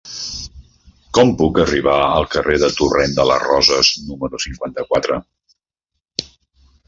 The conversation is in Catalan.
Com puc arribar al carrer del Torrent de les Roses número cinquanta-quatre?